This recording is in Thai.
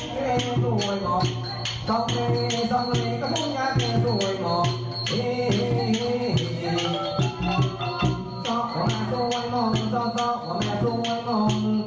คุณทัศนายงานอะไร